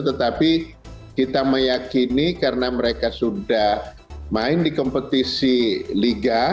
tetapi kita meyakini karena mereka sudah main di kompetisi liga